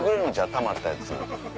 たまったやつ。